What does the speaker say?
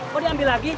kok diambil lagi